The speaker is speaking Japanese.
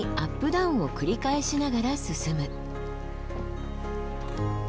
ダウンを繰り返しながら進む。